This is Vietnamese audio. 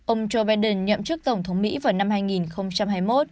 ông joe biden nhậm chức tổng thống mỹ vào năm hai nghìn hai mươi một